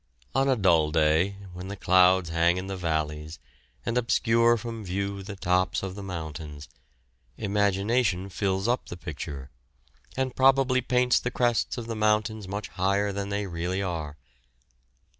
Upon a dull day, when the clouds hang in the valleys, and obscure from view the tops of the mountains, imagination fills up the picture, and probably paints the crests of the mountains much higher than they really are.